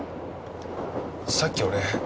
さっき俺。